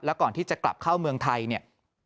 ก่อนที่จะกลับเข้าเมืองไทยเนี่ย